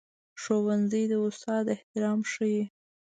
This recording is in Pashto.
ښوونځی د استاد احترام ښيي